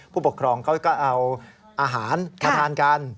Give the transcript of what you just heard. ผู้ปกครองเขาก็เอาอาหารมาทานกัน